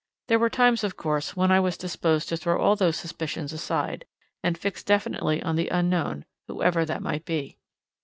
There were times, of course, when I was disposed to throw all those suspicions aside, and fix definitely on the unknown, whoever that might be.